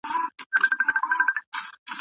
که جایزه وي نو لټي نه راځي.